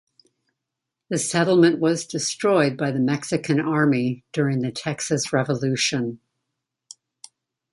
The settlement was destroyed by the Mexican army during the Texas Revolution.